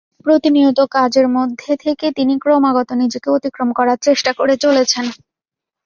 প্রতিনিয়ত কাজের মধ্যে থেকে তিনি ক্রমাগত নিজেকে অতিক্রম করার চেষ্টা করে চলেছেন।